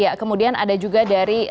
ya kemudian ada juga dari